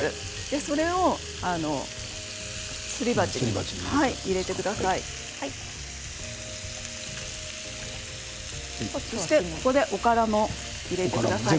それをすり鉢に入れてください。